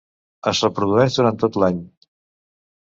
Es reprodueix durant tot l'any.